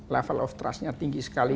level of trustnya tinggi sekali